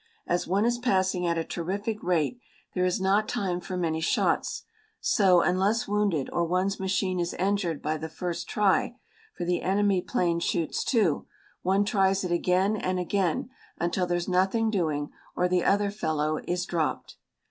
As one is passing at a terrific rate there is not time for many shots, so, unless wounded or one's machine is injured by the first try for the enemy plane shoots, too one tries it again and again until there's nothing doing or the other fellow is dropped.